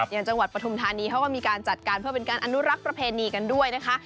อย่างจังหวัดปฐุมธานีเขาก็มีการจัดการเพื่อเป็นการอนุรักษ์ประเพณีกันด้วยนะคะ